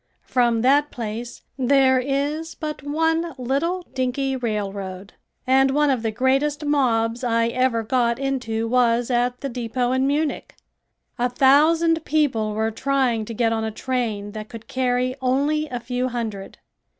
From that place there is but one little dinky railroad and one of the greatest mobs I ever got into was at the depot in Munich. A thousand people were trying to get on a train that could carry only a few hundred.